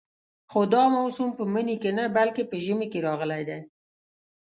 خو دا موسم په مني کې نه بلکې په ژمي کې راغلی دی.